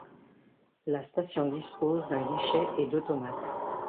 La station dispose d'un guichet et d'automates.